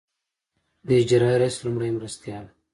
د اجرائیه رییس لومړي مرستیال.